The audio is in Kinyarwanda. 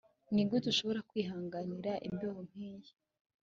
Nigute ushobora kwihanganira imbeho nkiyi